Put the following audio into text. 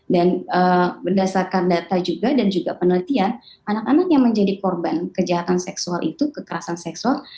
dan berdasarkan data juga dan juga penelitian anak anak yang menjadi korban kejahatan seksual itu kekerasan seksual